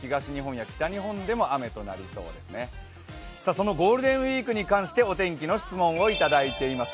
そのゴールデンウイークに関してお天気の質問をいただいています。